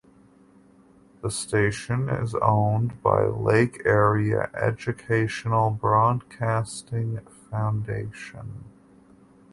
The station is owned by Lake Area Educational Broadcasting Foundation.